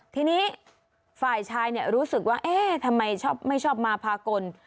ทีนี้ฝ่ายชายรู้สึกว่าเอ๊ะทำไมไม่ชอบมาพากล